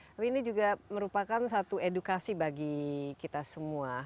tapi ini juga merupakan satu edukasi bagi kita semua